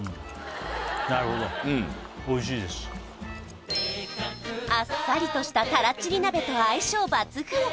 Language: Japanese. なるほどあっさりとしたたらちり鍋と相性抜群！